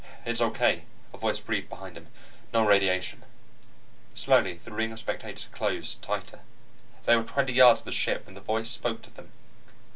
"It's okay," a voice breathed behind him. "No radiation ..." Slowly, the ring of spectators closed tighter. They were twenty yards from the ship when the voice spoke to them.